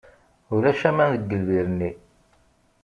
Ulac aman deg lbir-nni.